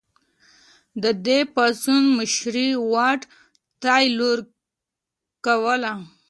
د دې پاڅون مشري واټ تایلور کوله.